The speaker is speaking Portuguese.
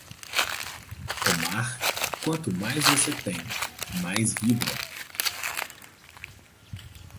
O mar, quanto mais você tem, mais vibra.